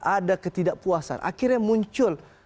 ada ketidakpuasan akhirnya muncul